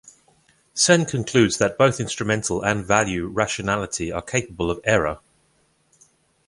Sen concludes that both instrumental and value rationality are capable of error.